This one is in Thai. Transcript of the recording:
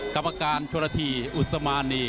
กรรมการชวนธีอุษมานี